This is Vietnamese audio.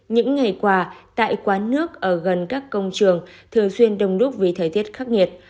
những ngày qua tại quán nước ở gần các công trường thường xuyên đông đúc vì thời tiết khắc nghiệt